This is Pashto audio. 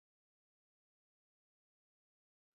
انجینران په موډل جوړونه تکیه کوي.